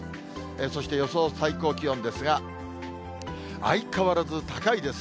そして、予想最高気温ですが、相変わらず高いです。